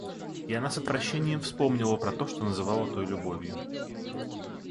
И она с отвращением вспомнила про то, что называла той любовью.